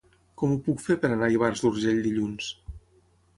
Com ho puc fer per anar a Ivars d'Urgell dilluns?